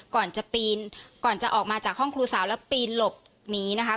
ก่อนจะปีนก่อนจะออกมาจากห้องครูสาวแล้วปีนหลบหนีนะคะ